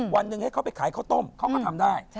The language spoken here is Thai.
วันหนึ่งให้เขาไปขายข้าวต้มเขาก็ทำได้